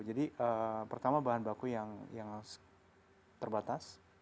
jadi pertama bahan baku yang terbatas